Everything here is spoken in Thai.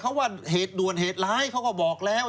เขาว่าเหตุด่วนเหตุร้ายเขาก็บอกแล้ว